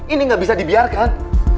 ini gak bisa dibiarkan